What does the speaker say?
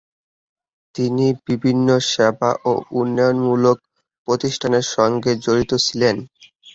তিনি বিভিন্ন সেবা ও উন্নয়ন মূলক প্রতিষ্ঠানের সঙ্গে জড়িত ছিলেন।